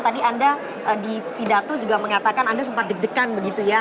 tadi anda di pidato juga mengatakan anda sempat deg degan begitu ya